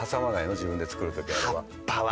自分で作る時は。